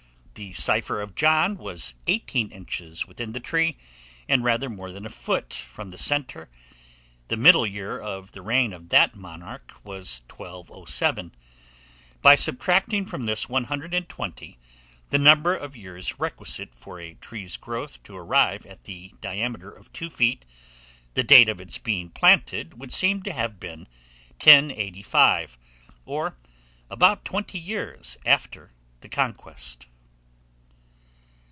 The cipher of John was eighteen inches within the tree, and rather more than a foot from the centre. The middle year of the reign of that monarch was 1207. By subtracting from this 120, the number of years requisite for a tree's growth to arrive at the diameter of two feet, the date of its being planted would seem to have been 1085, or about twenty years after the Conquest.